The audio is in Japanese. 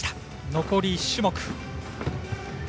残り１種目。